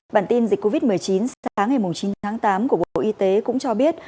bản tin dịch covid một mươi chín sáng ngày chín tháng tám của bộ y tế cũng cho biết